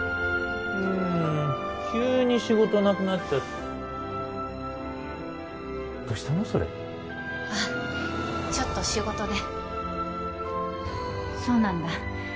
うん急に仕事なくなっちゃどしたのそれあちょっと仕事でそうなんだ